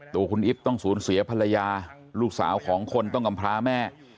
ตัวคุณอิ๊บต้องสูญเสียภรรยาลูกสาวของคนต้องกำพราแม่